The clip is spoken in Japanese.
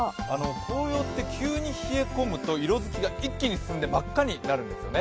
紅葉って急に冷え込むと色づきが一気に進んで真っ赤になるんですね。